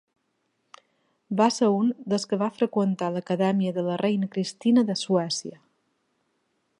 Va ser un dels que va freqüentar l'acadèmia de la reina Christina de Suècia.